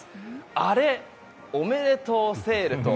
アレおめでとうセール！と。